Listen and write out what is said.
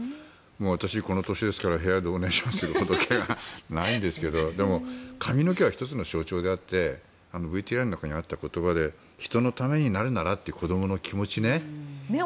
私、この年ですからヘアドネーションするほど毛がないんですけどでも、髪の毛は１つの象徴であってＶＴＲの中にあった言葉で人のためになるならという子どもの気持ちね。